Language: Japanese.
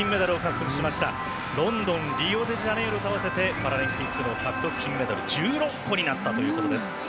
これでロンドンリオデジャネイロと合わせパラリンピックで獲得した金メダルは１６個になったということです。